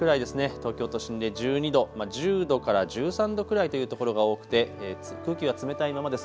東京都心で１２度、１０度から１３度くらいという所が多くて空気が冷たいままです。